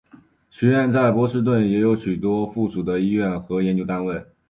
学院在波士顿也有许多附属的医院和研究单位。